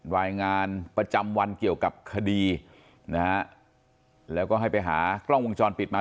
รายงานประจำวันเกี่ยวกับคดีนะฮะแล้วก็ให้ไปหากล้องวงจรปิดมา